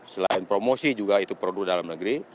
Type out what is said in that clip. selain promosi juga itu produk dalam negeri